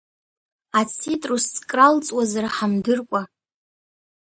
Ацитрус кралҵуазар ҳамдыркәа…